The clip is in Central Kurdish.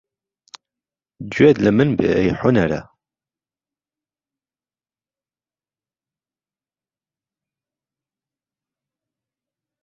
گوێت له من بێ ئەی حونەره